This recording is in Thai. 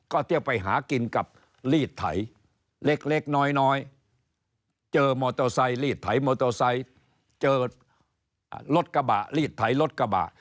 ก็เที่ยวไปหากินกับลีดไถเล็กน้อยเจอมอเตอร์ไซค์รีดไถมอเตอร์ไซค์เจอรถกระบะลีดไถรถกระบะ